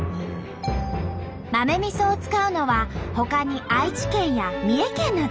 豆みそを使うのはほかに愛知県や三重県など。